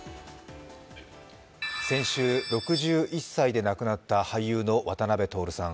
先週、６１歳で亡くなった俳優の渡辺徹さん。